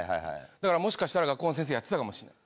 だからもしかしたら学校の先生やってたかもしれない。